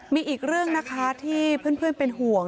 มีอีกเรื่องนะคะที่เพื่อนเป็นห่วง